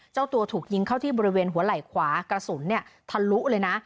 เจ้าตัวถูกยิงเข้าที่บริเวณหัวไหล่ขวากระสุนทะลุเลยนะ